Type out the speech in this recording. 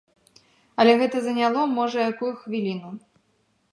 Але гэта заняло можа якую хвіліну.